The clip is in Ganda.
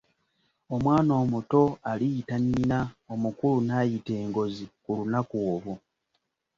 Omwana omuto aliyita nnyina omukulu n’ayita engozi ku lunaku olwo.